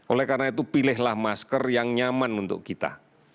oleh karena itu pilihlah masker yang nyaman untuk kita